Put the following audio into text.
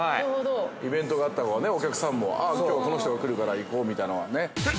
イベントがあったほうが、お客さんも、ああ、きょうはこの人が来るから行こうみたいなのはね。